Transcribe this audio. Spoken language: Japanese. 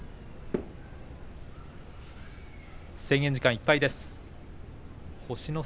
制限時間いっぱいです。